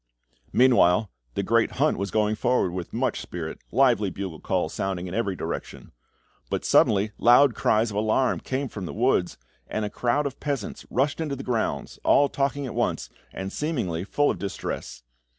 Meanwhile, the great hunt was going forward with much spirit, lively bugle calls sounding in every direction; but suddenly loud cries of alarm came from the woods, and a crowd of peasants rushed into the grounds, all talking at once, and seemingly full of distress.